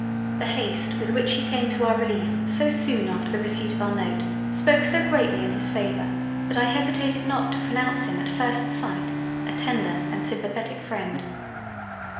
The haste with which he came to our releif so soon after the receipt of our Note, spoke so greatly in his favour that I hesitated not to pronounce him at first sight, a tender and simpathetic Freind.